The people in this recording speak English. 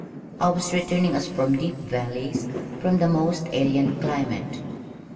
I was returning as from deep valleys, from the most alien climate.